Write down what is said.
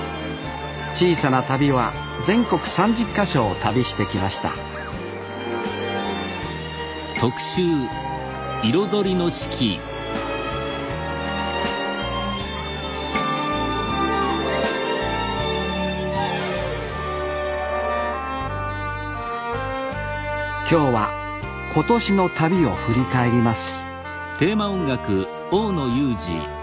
「小さな旅」は全国３０か所を旅してきました今日は今年の旅を振り返ります